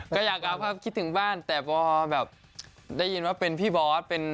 ก็อยากเอาครับคิดถึงบ้านแต่พอแบบได้ยินว่าเป็นพี่บอสเป็น